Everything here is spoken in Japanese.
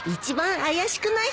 怪しくない人？